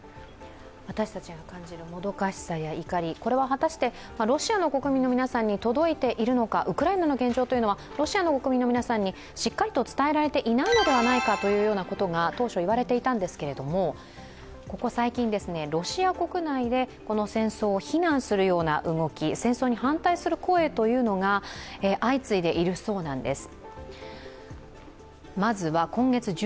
私たちが感じるもどかしさや怒り、これは果たしてロシアの国民の皆さんに届いているのか、ウクライナの現状というのは、ロシアの国民の皆さんにしっかりと伝えられていないのではないかと言うことが当初言われていたんですけれども、ここ最近、ロシア国内でこの戦争を非難するような動き、戦争に反対する声が相次いでいるそうなんです。